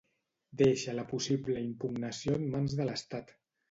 Deixa la possible impugnació en mans de l'Estat.